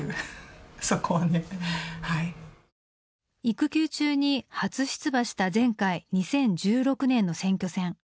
育休中に初出馬した前回２０１６年の選挙戦。